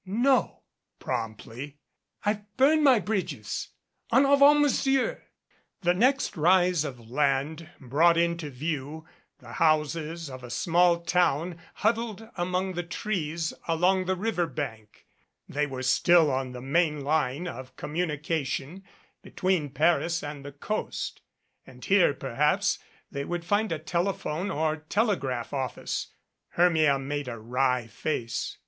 "No," promptly. "I've burned my bridges. En avant, Monsieur." The next rise of land brought into view the houses of a small town huddled among the trees along the river bank. They were still on the main line of communication between Paris and the Coast, and here perhaps they would find a telephone or telegraph office. Hermia made a wry face.